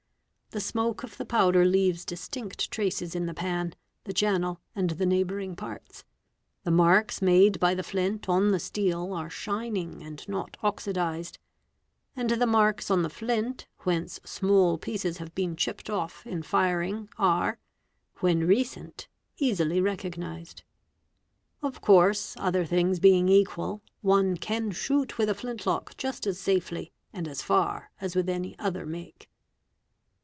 The smoke of the powder leaves distinct traces in the pan, the channel, and the neighbouring parts; the marks made Dy the flint on the steel are shining and not oxydised; and the marks on the MUZZLE LOADERS AQ1 flint whence small pieces have been chipped of in firing are, when recent, easily recognised. Of course, other things being equal, one can shoot with a flint lock just as safely and as far as with any other make.